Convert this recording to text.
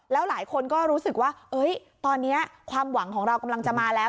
แล้วหลายคนก็รู้สึกว่าตอนนี้ความหวังของเรากำลังจะมาแล้ว